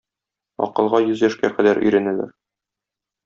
Акылга йөз яшькә кадәр өйрәнәләр.